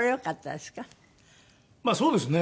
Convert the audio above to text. まあそうですね。